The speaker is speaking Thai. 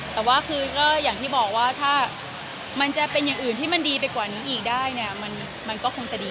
แต่ว่าคือก็อย่างที่บอกว่าถ้ามันจะเป็นอย่างอื่นที่มันดีไปกว่านี้อีกได้เนี่ยมันก็คงจะดี